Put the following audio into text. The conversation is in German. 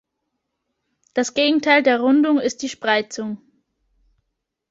Das Gegenteil der Rundung ist die Spreizung.